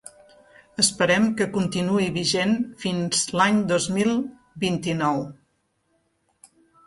Esperem que continuï vigent fins l'any dos mil vint-i-nou.